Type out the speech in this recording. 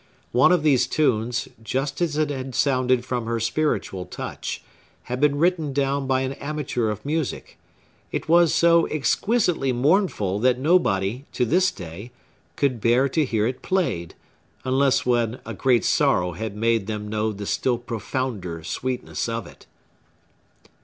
One of these tunes, just as it had sounded from her spiritual touch, had been written down by an amateur of music; it was so exquisitely mournful that nobody, to this day, could bear to hear it played, unless when a great sorrow had made them know the still profounder sweetness of it.